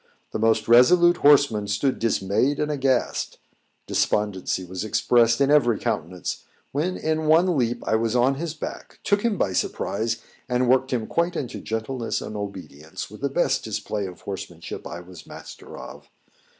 The most resolute horsemen stood dismayed and aghast; despondency was expressed in every countenance, when, in one leap, I was on his back, took him by surprise, and worked him quite into gentleness and obedience with the best display of horsemanship I was master of.